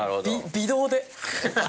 微動で。